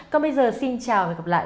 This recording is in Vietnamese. còn bây giờ xin chào và gặp lại